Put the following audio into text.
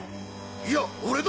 いや俺だ！